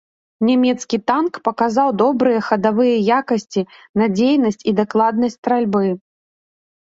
Нямецкі танк паказаў добрыя хадавыя якасці, надзейнасць і дакладнасць стральбы.